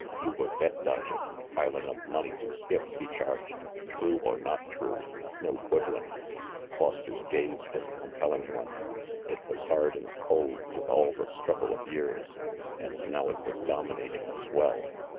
"You were debt dodging and piling up moi to skip," lie charged. "True or not true. No quibb ling." Foster's gaze was a compelling one. It was hard and cold with all the struggle of years, and now it was dominating as well.